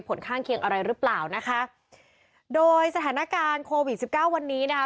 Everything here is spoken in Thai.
ผลข้างเคียงอะไรหรือเปล่านะคะโดยสถานการณ์โควิดสิบเก้าวันนี้นะคะ